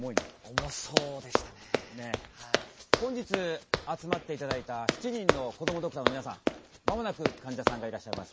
本日集まって頂いた７人のこどもドクターの皆さん間もなくかんじゃさんがいらっしゃいます。